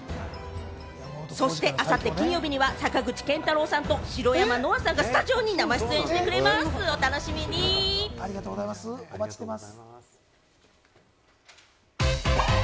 そして明後日、金曜日には坂口健太郎さんと白山乃愛さんがスタジオに生出演してくれまお待ちしております。